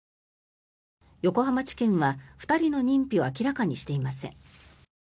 横浜地検は２人の認否を明らかにしていません。